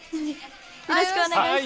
よろしくお願いします。